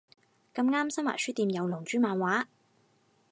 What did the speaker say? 咁啱新華書店有龍珠漫畫